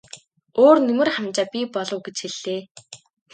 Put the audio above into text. Өөр нэмэр хамжаа бий болов уу гэж хэллээ.